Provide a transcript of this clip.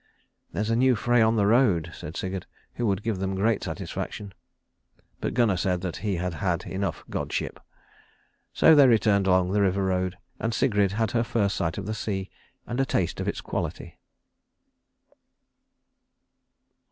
"There's a new Frey on the road," said Sigurd, "who would give them great satisfaction," but Gunnar said that he had had enough godship. So they returned along the river road, and Sigrid had her first sight of the sea, and a taste of its quality.